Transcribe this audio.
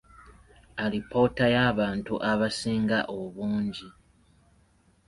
Alipoota y’abantu abasinga obungi.